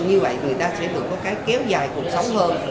như vậy người ta sẽ được có cái kéo dài cuộc sống hơn